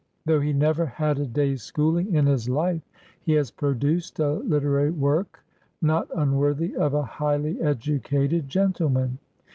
Though he never had a day's schooling in his life, he has produced a literary work not unworthy of a highly educated gentleman.